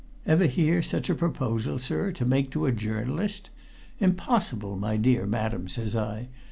Ever hear such a proposal, sir, to make to a journalist? 'Impossible, my dear madam!' says I.